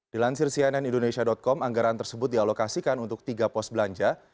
dilansir cnn indonesia com anggaran tersebut dialokasikan untuk tiga pos belanja